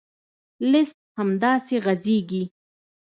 لیست همداسې غځېږي.